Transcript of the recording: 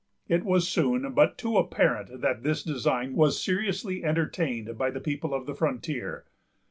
It was soon but too apparent that this design was seriously entertained by the people of the frontier.